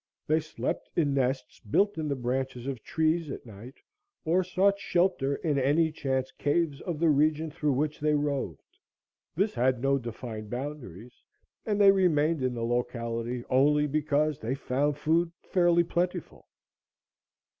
They slept in nests built in the branches of trees at night, or sought shelter in any chance caves of the region through which they roved. This had no defined boundaries and they remained in the locality only because they found food fairly plentiful.